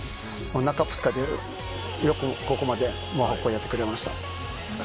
中２日でよくここまでやってくれました。